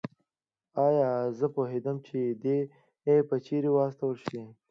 ایا زه پوهېدم چې دی به چېرې واستول شي؟